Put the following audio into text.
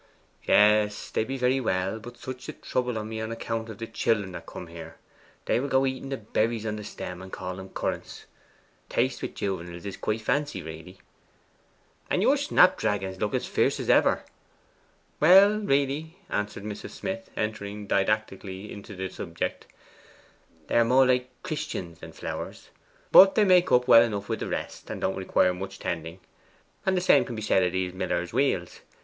'Yes, they be very well, but such a trouble to me on account of the children that come here. They will go eating the berries on the stem, and call 'em currants. Taste wi' junivals is quite fancy, really.' 'And your snapdragons look as fierce as ever.' 'Well, really,' answered Mrs. Smith, entering didactically into the subject, 'they are more like Christians than flowers. But they make up well enough wi' the rest, and don't require much tending. And the same can be said o' these miller's wheels.